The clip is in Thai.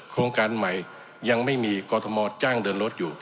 โครงการใหม่ยังไม่มีกรทมจ้างเดินรถอยู่